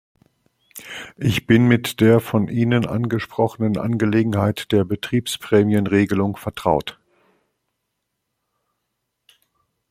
Ich bin mit der von Ihnen angesprochenen Angelegenheit der Betriebsprämienregelung vertraut.